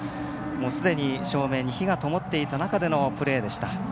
すでに照明に灯がともっていた中でのプレーでした。